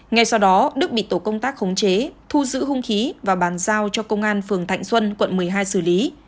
ngay sau đó đức bị tổ công tác khống chế thu giữ hung khí và bàn giao cho công an phường thạnh xuân quận một mươi hai xử lý